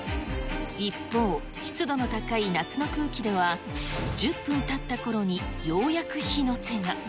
一方、湿度の高い夏の空気では、１０分たったころにようやく火の手が。